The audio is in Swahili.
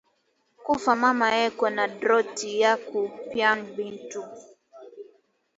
kufa mama eko na droit yaku pyana bintu